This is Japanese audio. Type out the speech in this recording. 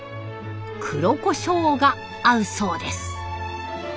黒コショウが合うそうです。